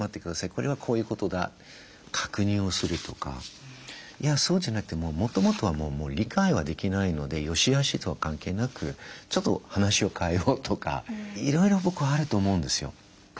これはこういうことだ確認をするとかいやそうじゃなくてもともとはもう理解はできないので善しあしとは関係なくちょっと話を変えようとかいろいろ僕はあると思うんですよ。